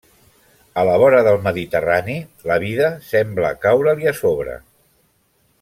A la vora del Mediterrani, la vida sembla caure-li a sobre.